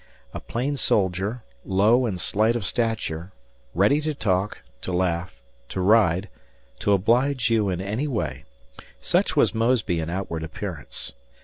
A plain soldier, low and slight of stature, ready to talk, to laugh, to ride, to oblige you in any way, such was Mosby in outward appearance.